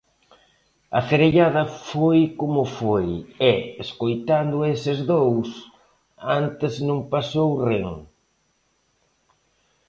A cerellada foi como foi e, escoitando a eses dous, antes non pasou ren.